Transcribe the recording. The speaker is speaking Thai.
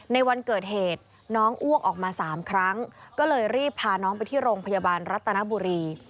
ในวันเกิดเหตุน้องอ้วกออกมา๓ครั้งก็เลยรีบพาน้องไปที่โรงพยาบาลรัตนบุรี